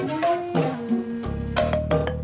mau ketemu kang cecep